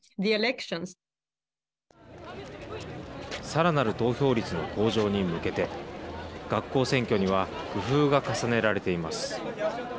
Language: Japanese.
さらなる投票率の向上に向けて学校選挙には工夫が重ねられています。